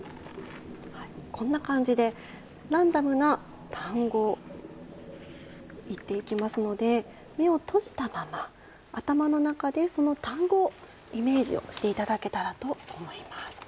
こんな感じでランダムな単語を言っていきますので目を閉じたまま頭の中で、その単語をイメージをしていただけたらと思います。